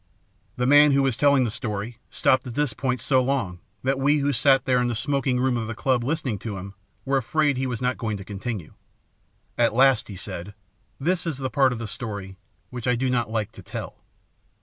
The man who was telling the story stopped at this point so long that we who sat there in the smoking room of the Club listening to him were afraid he was not going to continue. At last he said: "This is the part of the story which I do not like to tell.